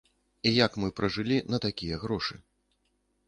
І як мы пражылі на такія грошы?